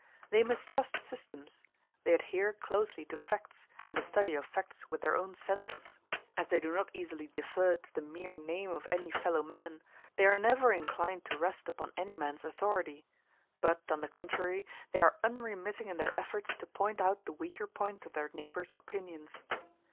They mistrust systems; they adhere closely to facts and the study of facts with their own senses. As they do not easily defer to the mere name of any fellow man, they are never inclined to rest upon any man's authority; but, on the contrary, they are unremitting in their efforts to point out the weaker points of their neighbors' opinions.